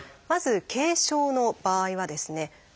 まず軽症の場合はですね